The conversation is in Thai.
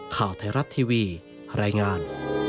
ข่าวไทยรัฐทีวีรายงาน